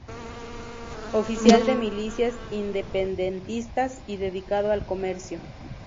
Oficial de milicias independentistas y dedicado al comercio.